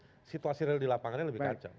jadi situasi real di lapangannya lebih kacau